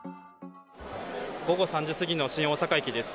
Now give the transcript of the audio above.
午後３時過ぎの新大阪駅です。